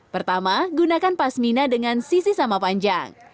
pertama gunakan pasmina dengan sisi sama panjang